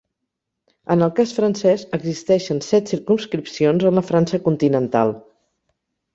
En el cas francès existeixen set circumscripcions en la França continental.